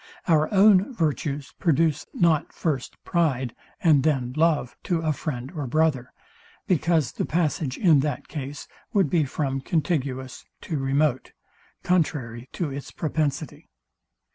Our own virtues produce not first pride, and then love to a friend or brother; because the passage in that case would be from contiguous to remote, contrary to its propensity.